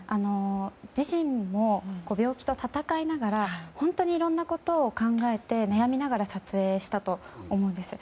自身も病気と闘いながら本当にいろんなことを考えて悩みながら撮影したと思うんです。